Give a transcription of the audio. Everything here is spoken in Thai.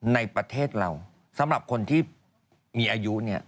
ในประเทศเราสำหรับคนที่มีอายุเนี่ย